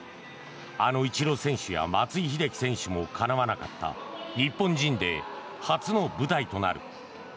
あのイチロー選手や松井秀喜選手もかなわなかった日本人で初の舞台となる。